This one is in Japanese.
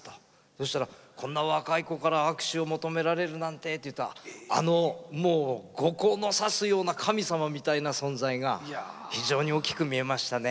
そしたら「こんな若い子から握手を求められるなんて」ってあのもう後光のさすような神様みたいな存在が非常に大きく見えましたね。